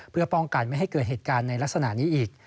เพื่อป้องกันไม่ให้เกิดเหตุการณ์ในลักษณะนี้อีก